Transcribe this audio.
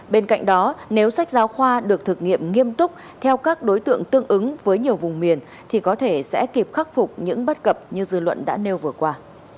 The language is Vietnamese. bên cạnh đó nếu sách giáo khoa được thực nghiệm nghiêm túc theo các đối tượng tương ứng với nhiều vùng miền thì có thể sẽ kịp khắc phục những bất cập như dư luận đã nêu vừa qua